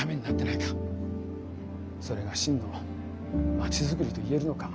それが真の街づくりと言えるのか。